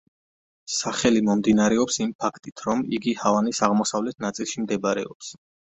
სახელი მომდინარეობს იმ ფაქტით, რომ იგი ჰავანის აღმოსავლეთ ნაწილში მდებარეობს.